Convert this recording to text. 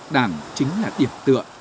đảng chính là điểm tượng